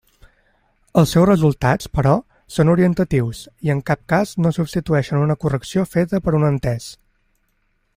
Els seus resultats, però, són orientatius, i en cap cas no substitueixen una correcció feta per un entès.